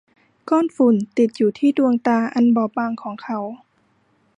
ก้อนฝุ่นติดอยู่ที่ดวงตาอันบอบบางของเขา